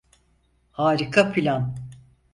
Harika plan.